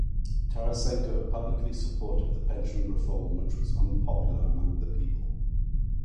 Tarasenko publicly supported the pension reform which was unpopular among the people.